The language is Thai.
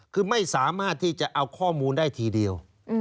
คือไม่สามารถที่จะเอาข้อมูลได้ทีเดียว